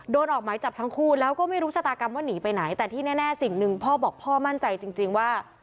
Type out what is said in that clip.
ออกหมายจับทั้งคู่แล้วก็ไม่รู้ชะตากรรมว่าหนีไปไหนแต่ที่แน่สิ่งหนึ่งพ่อบอกพ่อมั่นใจจริงว่า